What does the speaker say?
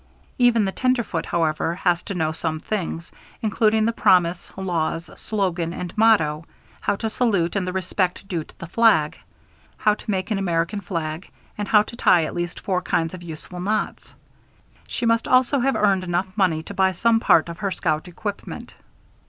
Even the Tenderfoot, however, has to know some things, including the promise, laws, slogan, and motto; how to salute and the respect due to the flag; how to make an American flag; and how to tie at least four kinds of useful knots. She must also have earned enough money to buy some part of her scout equipment.